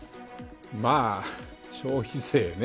まあ、消費税ね。